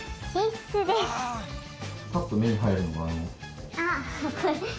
パッと目に入るのがあの。